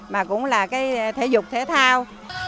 mà cũng là cái thể dục thể thao